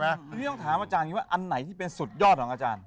ไม่ต้องถามอาจารย์นี้ว่าอันไหนที่เป็นสุดยอดหรือครับอาจารย์